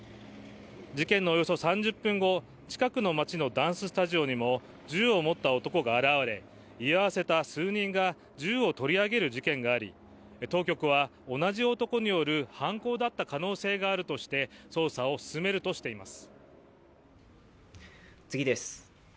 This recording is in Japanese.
事件のおよそ３０分後近くの町のダンススタジオにも銃を持った男が現れ居合わせた数人が銃を取り上げる事件があり当局は同じ男による犯行だった可能性があるとして捜査を進めるとしています。